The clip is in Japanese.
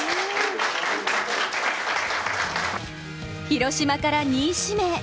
広島から２位指名。